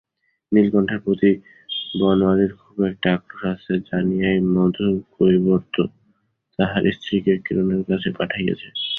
নীলকণ্ঠের প্রতি বনোয়ারির খুব একটা আক্রোশ আছে জানিয়াই মধুকৈবর্ত তাহার স্ত্রীকে কিরণের কাছে পাঠাইয়াছে।